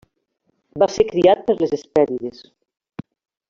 Va ser criat per les Hespèrides.